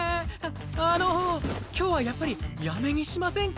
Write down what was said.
あの今日はやっぱりやめにしませんか？